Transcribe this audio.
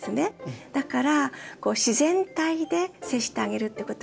だから自然体で接してあげるってことはまず一つです。